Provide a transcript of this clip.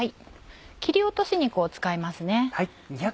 切り落とし肉を使いますね。